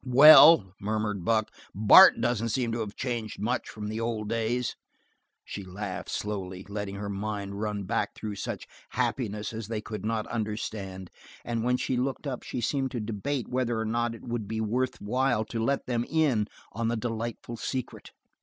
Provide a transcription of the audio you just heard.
"Well," murmured Buck, "Bart doesn't seem to have changed much from the old days." She laughed slowly, letting her mind run back through such happiness as they could not understand and when she looked up she seemed to debate whether or not it would be worth while to let them in on the delightful secret.